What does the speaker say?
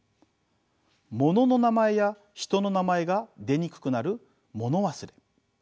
物の名前や人の名前が出にくくなる物忘れ。